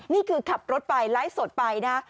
นี่คือขับรถไปไลฟ์สดไปนะ